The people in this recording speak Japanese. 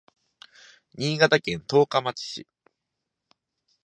新潟県十日町市